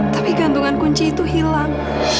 tapi gantungan kunci itu hilang